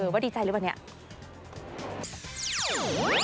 ว่าดีใจหรือเปล่าเนี่ย